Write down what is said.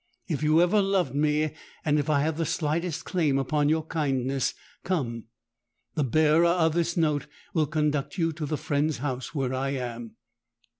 If you ever loved me—and if I have the slightest claim upon your kindness—come! The bearer of this note will conduct you to the friend's house where I am!